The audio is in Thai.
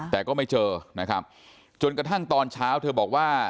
แต่ก็ไม่เจอนะครับจนกระทั่งตอนเช้าเธอบอกว่า